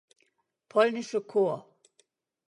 Polnische Korps".